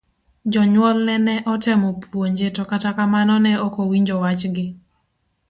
Jonyuol ne notemo puonje to kata kamano ne okowinjo wach gi.